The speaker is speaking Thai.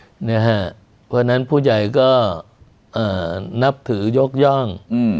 เพราะฉะนั้นผู้ใหญ่ก็นับถือยกย่อง